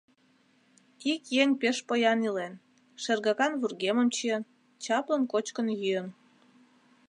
Ик еҥ пеш поян илен: шергакан вургемым чиен, чаплын кочкын-йӱын.